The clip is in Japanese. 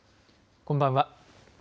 こんばんは。